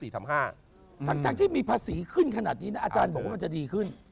ทั้งที่มีภาษีขึ้นขนาดนี้นะอาจารย์บอกว่ามันจะดีขึ้น